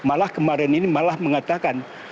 malah kemarin ini malah mengatakan